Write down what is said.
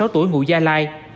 hai mươi sáu tuổi ngụ gia lai